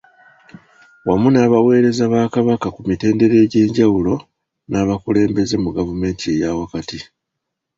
Wamu n’abaweereza ba Kabaka ku mitendera egyenjawulo n’abakulembeze mu gavumenti eyaawakati.